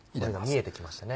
今見えてきましたね。